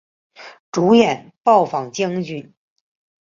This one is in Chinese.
主演暴坊将军。